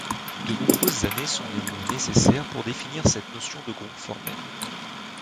De nombreuses années sont néanmoins nécessaires pour définir cette notion de groupe formel.